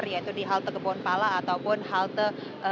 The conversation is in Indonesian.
yaitu di halte gebun pala ataupun halte